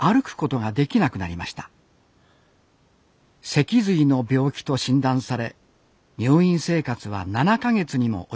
脊髄の病気と診断され入院生活は７か月にも及びました。